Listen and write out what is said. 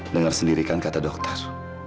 dengar sendirikan kata dokter